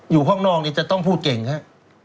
อยู่ข้างนอกนี้จะต้องพูดเก่งครับ